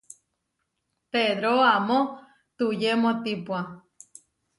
Pedró amó tuyemótipua.